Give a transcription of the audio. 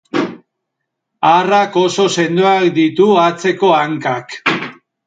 Arrak oso sendoak ditu atzeko hankak.